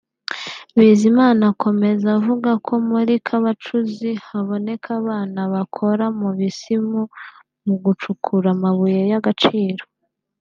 Bizimana akomeza avuga ko muri Kabacuzi haboneka abana bakora mu bisimu mu gucukura amabuye y’agaciro